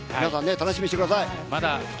楽しみにしてください。